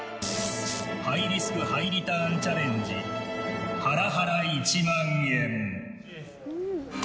ハイリスク・ハイリターンチャレンジハラハラ１万円。